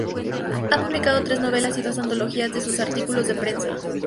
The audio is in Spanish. Ha publicado tres novelas y dos antologías de sus artículos de prensa.